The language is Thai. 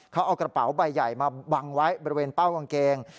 เขาเอากระเป๋าใบใหญ่มาบังไว้บริเวณเป้ากางเกง